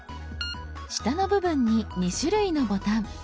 下の部分に２種類のボタン。